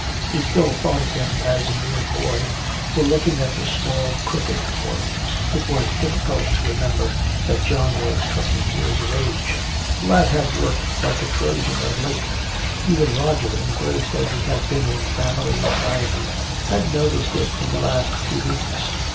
He still thought of him as a mere boy, for looking at the small crooked form it was difficult to remember that John was twenty years of age. The lad had worked like a Trojan of late. Even Roger, engrossed as he had been in family anxieties, had noticed it in the last few weeks.